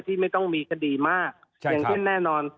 ที่ไม่ต้องมีคดีมากอย่างเช่นแน่นอน